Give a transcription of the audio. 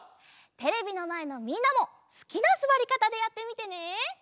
テレビのまえのみんなもすきなすわりかたでやってみてね！